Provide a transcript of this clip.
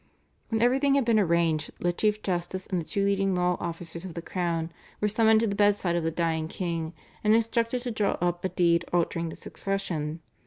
When everything had been arranged the Chief Justice and the two leading law officers of the crown were summoned to the bedside of the dying king, and instructed to draw up a deed altering the succession.